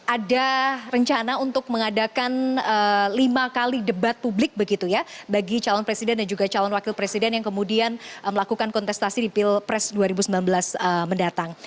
ada rencana untuk mengadakan lima kali debat publik begitu ya bagi calon presiden dan juga calon wakil presiden yang kemudian melakukan kontestasi di pilpres dua ribu sembilan belas mendatang